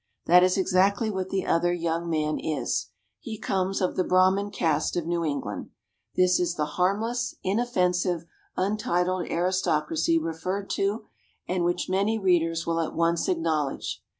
That is exactly what the other young man is. He comes of the Brahmin caste of New England. This is the harmless, inoffensive, untitled aristocracy referred to, and which many readers will at once acknowledge.